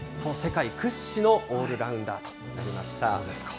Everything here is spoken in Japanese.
世界屈指のオールラウンダーとなりました。